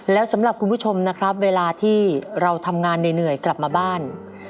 แล้วสำหรับคุณผู้ชมนะครับเวลาที่เราทำงานเหนื่อยกลับมาบ้าน